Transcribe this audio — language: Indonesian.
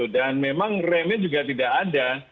dan memang remnya juga tidak ada